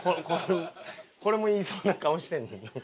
これも言いそうな顔してんねんなんか。